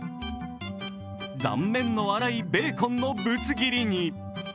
断面の荒いベーコンのぶつ切りに。